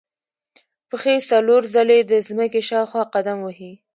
پښې څلور ځلې د ځمکې شاوخوا قدم وهي.